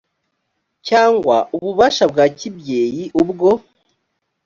cyangwa ububasha bwa kibyeyi ubwo